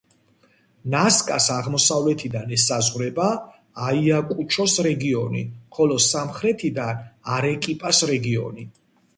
ნასკას აღმოსავლეთიდან ესაზღვრება აიაკუჩოს რეგიონი, ხოლო სამხრეთიდან არეკიპას რეგიონი.